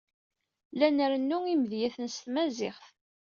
La nrennu imedyaten s tmaziɣt.